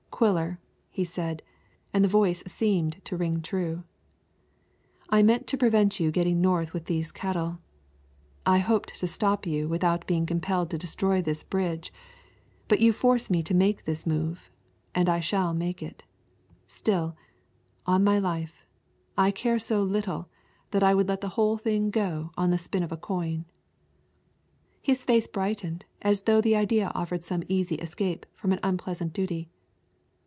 "Quiller," he said, and the voice seemed to ring true, "I meant to prevent your getting north with these cattle. I hoped to stop you without being compelled to destroy this bridge, but you force me to make this move, and I shall make it. Still, on my life, I care so little that I would let the whole thing go on the spin of a coin." His face brightened as though the idea offered some easy escape from an unpleasant duty.